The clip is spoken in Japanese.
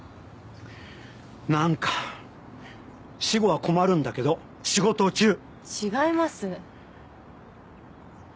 なんか私語は困るんだけど仕事中違います